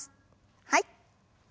はい。